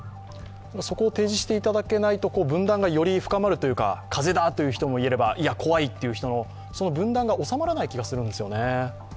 そこを提示していただけないと分断がより深まるというか、風邪だという人もいれば、怖いという人もいる、その分断が収まらない気がするんですよね。